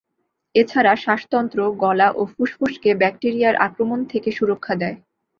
এ ছাড়া শ্বাসতন্ত্র, গলা ও ফুসফুসকে ব্যাকটেরিয়ার আক্রমণ থেকে সুরক্ষা দেয়।